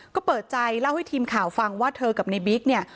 ก็เปิดใจเล่าให้ทีมข่าวฟังว่าเธอกับในบิ๊กเนี่ย